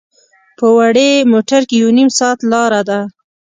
په وړې موټر کې یو نیم ساعت لاره ده.